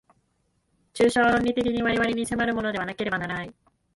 抽象論理的に我々に迫るものでなければならない。